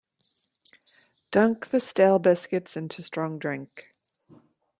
Dunk the stale biscuits into strong drink.